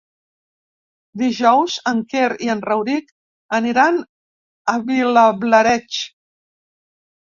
Dijous en Quer i en Rauric aniran a Vilablareix.